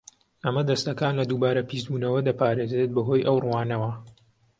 ئەمە دەستەکان لە دووبارە پیسبوونەوە دەپارێزێت بەهۆی ئەو ڕووانەوە.